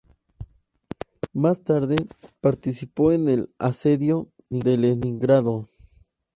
Más tarde, participó en el asedio de Leningrado.